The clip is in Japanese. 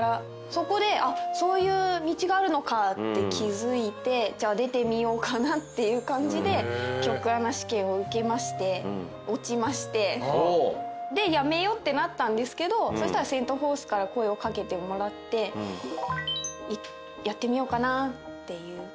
そこでそういう道があるのかって気付いてじゃあ出てみようかなっていう感じで局アナ試験を受けまして落ちましてでやめよってなったんですけどそしたらセント・フォースから声を掛けてもらってやってみようかなっていう。